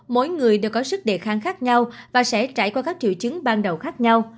mỗi người đều có sức đề kháng khác nhau và sẽ trải qua các triệu chứng ban đầu khác nhau